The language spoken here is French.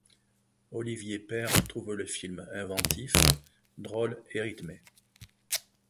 Olivier Père trouve le film inventif, drôle et rythmé.